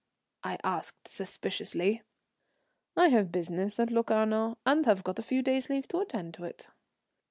I asked suspiciously. "I have business at Locarno, and have got a few days' leave to attend to it."